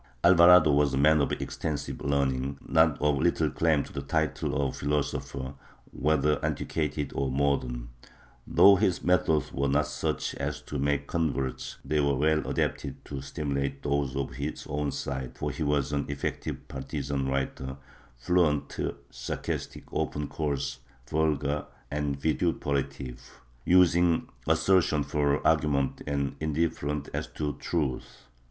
Alvarado was a man of extensive learning, but of little claim to the title of philosopher, whether antiquated or modern. Though his methods were not such as to make converts, they were well adapted to stimulate those of his own side, for he was an effective partizan writer, fluent, sarcastic, often coarse, vulgar and vitupera tive, using assertion for argument and indifferent as to truth.